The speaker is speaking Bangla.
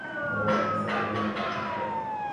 আমাদের রাজকন্যার সন্ধান লাগবে, দেখাওতো ঝটপট?